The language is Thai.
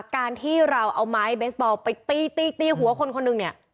การที่เราเอาไม้เบสบอลไปตีตีหัวคนคนหนึ่งเนี่ย